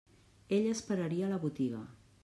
Ella esperaria a la «botiga».